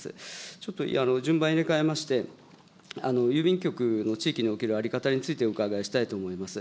ちょっと順番入れ替えまして、郵便局の地域における在り方についてお伺いしたいと思います。